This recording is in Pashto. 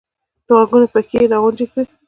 د غوږونو پکې یې را غونجې کړې !